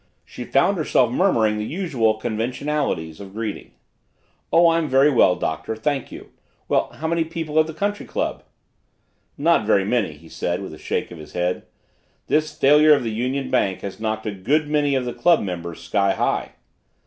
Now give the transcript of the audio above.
She found herself murmuring the usual conventionalities of greeting. "Oh, I'm very well, Doctor, thank you. Well, many people at the country club?" "Not very many," he said, with a shake of his head. "This failure of the Union Bank has knocked a good many of the club members sky high."